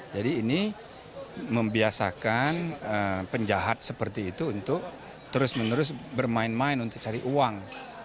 jadi ini membiasakan penjahat seperti itu untuk terus menerus bermain main untuk cari uang